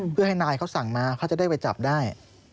เพื่อให้นายเขาสั่งมาเขาจะได้ไปจับได้